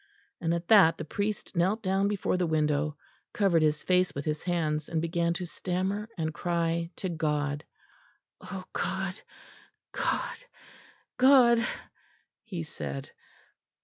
And at that the priest knelt down before the window, covered his face with his hands, and began to stammer and cry to God: "O God! God! God!" he said.